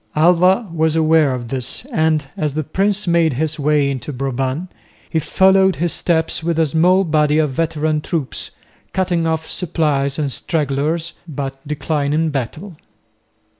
Alva was aware of this, and, as the prince made his way into Brabant, he followed his steps with a small body of veteran troops, cutting off supplies and stragglers, but declining battle.